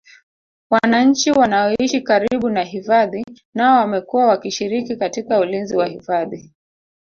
wananchi wanaoishi karibu na hifadhi nao wamekuwa wakishiriki katika ulinzi wa hifadhi